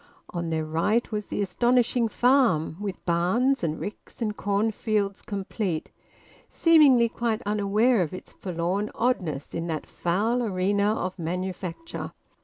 On their right was the astonishing farm, with barns and ricks and cornfields complete, seemingly quite unaware of its forlorn oddness in that foul arena of manufacture.